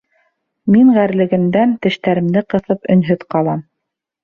Мин ғәрлегемдән, тештәремде ҡыҫып, өнһөҙ ҡалам.